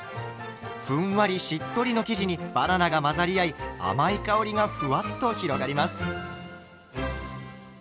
ふんわりしっとりの生地にバナナが混ざり合い甘い香りがふわっと広がります。